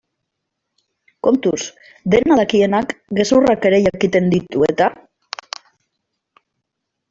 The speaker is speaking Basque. Kontuz, dena dakienak gezurrak ere jakiten ditu eta?